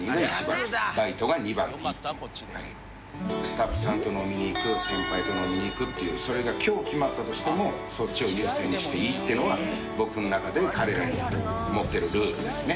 スタッフさんと飲みに行く先輩と飲みに行くっていうそれが今日決まったとしてもそっちを優先していいっていうのは僕の中では彼らに思ってるルールですね。